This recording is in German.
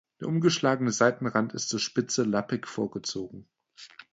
Der umgeschlagene Seitenrand ist zur Spitze lappig vorgezogen.